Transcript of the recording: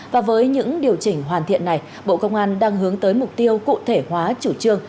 và với những điều chỉnh hoàn thiện này bộ công an đang hướng tới mục tiêu cụ thể hóa chủ trương